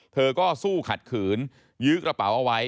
เธอก็สู้ขัดขืนยื้อกระเป๋าเอาไว้